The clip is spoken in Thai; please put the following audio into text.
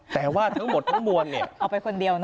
แต่ว่าทั้งหมดทั้งมวลเนี่ย